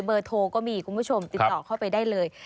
เบอร์โทรก็มีคุณผู้ชมติดต่อเข้าไปได้เลย